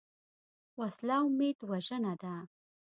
وسله امید وژنه ده